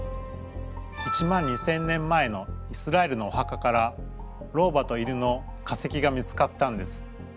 １万２，０００年前のイスラエルのおはかから老婆と犬の化石が見つかったんです。